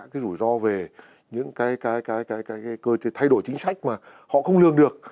cái rủi ro về những cái cơ chế thay đổi chính sách mà họ không lương được